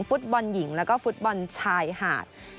ฟุตบอลหญิงแล้วก็ฟุตบอลชายหาด